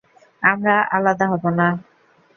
আমরা আলাদা হব না।